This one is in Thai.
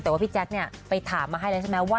แต่ว่าพี่แจ๊คเนี่ยไปถามมาให้แล้วใช่ไหมว่า